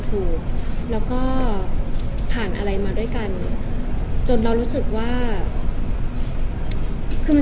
ถูกแล้วก็ผ่านอะไรมาด้วยกันจนเรารู้สึกว่าคือมัน